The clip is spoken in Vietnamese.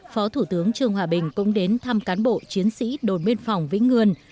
phó thủ tướng trương hòa bình cũng đến thăm cán bộ chiến sĩ đồn biên phòng vĩnh ngươn